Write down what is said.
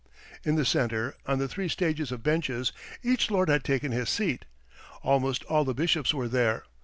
In the centre, on the three stages of benches, each lord had taken his seat. Almost all the bishops were there.